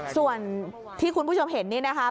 ส่วนที่คุณผู้ชมเห็นนี่นะคะ